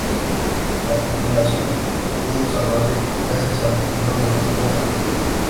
La tripulación pudo salvarse gracias al empleo de máscaras antigás.